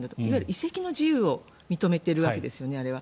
移籍の自由を認めてるわけですよねあれは。